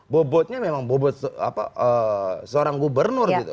bobotnya memang bobot seorang gubernur gitu